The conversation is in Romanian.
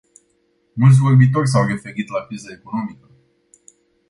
Mulți vorbitori s-au referit la criza economică.